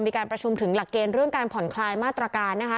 มีการประชุมถึงหลักเกณฑ์เรื่องการผ่อนคลายมาตรการนะคะ